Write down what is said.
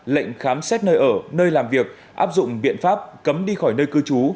lệnh khám xét nơi ở nơi làm việc áp dụng biện pháp cấm đi khỏi nơi cư trú